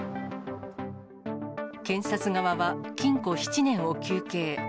検察側は、禁錮７年を求刑。